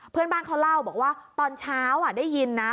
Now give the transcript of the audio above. เพื่อนบ้านเขาเล่าบอกว่าตอนเช้าได้ยินนะ